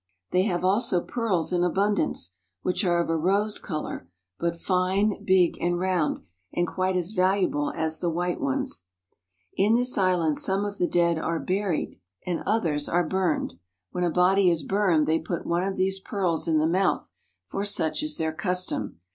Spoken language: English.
They have also pearls in abundance, which are of a rose color, but fine, big, and round, and quite as valuable as the white ones. [In this island some of the dead are buried, 1 2 TRAVELERS AND EXPLORERS and others are burned. When a body is burned, they put one of these pearls in the mouth, for such is their custom.